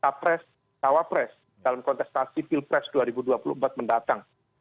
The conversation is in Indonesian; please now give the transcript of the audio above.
capres cawapres dalam kontestasi pilpres dua ribu dua puluh empat mendatang